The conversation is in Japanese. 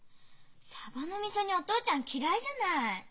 サバのみそ煮お父ちゃん嫌いじゃない！